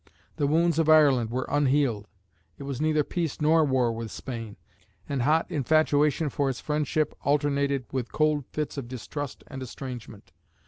The wounds of Ireland were unhealed. It was neither peace nor war with Spain, and hot infatuation for its friendship alternated with cold fits of distrust and estrangement.